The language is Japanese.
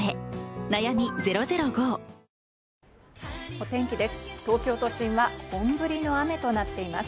お天気です。